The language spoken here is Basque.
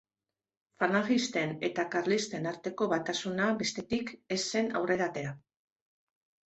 Falangisten eta karlisten arteko batasuna, bestetik, ez zen aurrera atera.